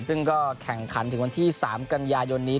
ซึ่งก็แข่งขันถึงวันที่๓กันยายนนี้